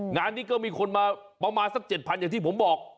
งานนี้ก็มีคนมาประมาณสัก๗๐๐อย่างที่ผมบอก